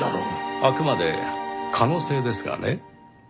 あくまで可能性ですがね。